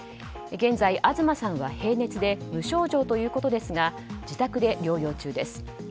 現在、東さんは平熱で無症状ということですが自宅で療養中です。